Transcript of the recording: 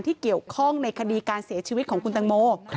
ที่เกี่ยวข้องในคดีการเสียชีวิตของคุณตังโม